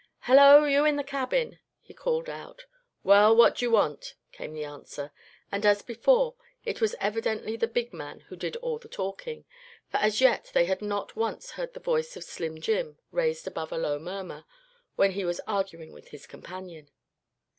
"Hello! you in the cabin?" he called out. "Well, what d'ye want?" came the answer, and as before, it was evidently the big man who did all the talking, for as yet they had not once heard the voice of Slim Jim raised above a low murmur, when he was arguing with his companion.